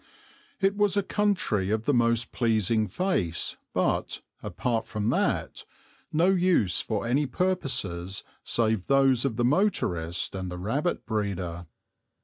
It was a country of the most pleasing face but, apart from that, no use for any purposes save those of the motorist and the rabbit breeder.